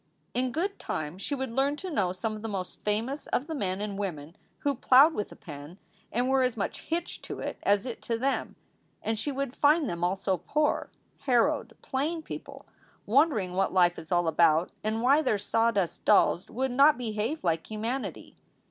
In good time she would learn to know some of the most famous of the men and women who plowed with a pen and were as much hitched to it as it to them. And she would find them also poor, harrowed, plain people, wondering what life is all about and why their sawdust dolls would not behave like humanity.